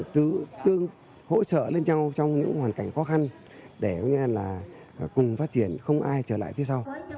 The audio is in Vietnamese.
tứ hỗ trợ lên nhau trong những hoàn cảnh khó khăn để cùng phát triển không ai trở lại phía sau